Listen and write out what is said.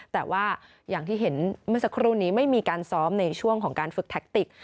แต่ว่าอย่างที่เห็นเมื่อสักครู่นี้ไม่มีการซ้อมในช่วงของการฝึกแท็กติก